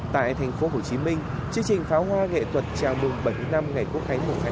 tại thành phố hồ chí minh chương trình pháo hoa nghệ thuật chào mừng bảy mươi năm ngày quốc khánh mùa hai tháng chín